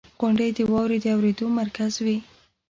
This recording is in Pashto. • غونډۍ د واورې د اورېدو مرکز وي.